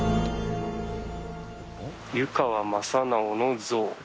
「湯川正直之像」